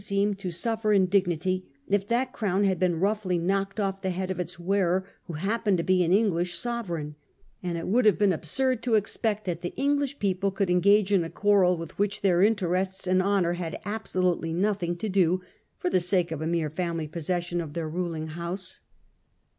seemed to suffer in dignity if that crown had been roughly knocked off the head of its wearer who hap pened to be an English sovereign ; and it would have been absurd to expect that the English people could engage in a quarrel with which their interests and honour had absolutely nothing to do, for the sake of a mere family possession of their ruling house.